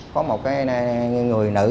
có một người nữ